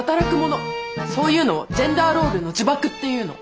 そういうのをジェンダーロールの呪縛っていうの。